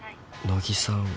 野木さん